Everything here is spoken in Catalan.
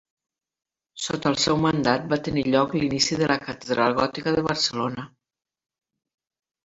Sota el seu mandat va tenir lloc l'inici de la catedral gòtica de Barcelona.